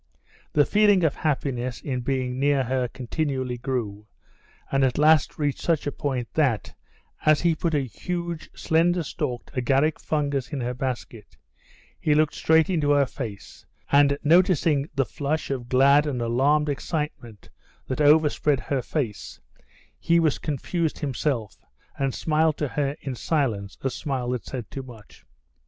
The feeling of happiness in being near her continually grew, and at last reached such a point that, as he put a huge, slender stalked agaric fungus in her basket, he looked straight into her face, and noticing the flush of glad and alarmed excitement that overspread her face, he was confused himself, and smiled to her in silence a smile that said too much.